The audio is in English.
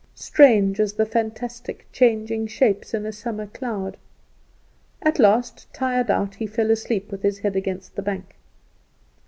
strange as the fantastic, changing shapes in a summer cloud. At last, tired out, he fell asleep, with his head against the bank.